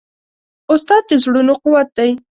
استاد د زړونو قوت دی.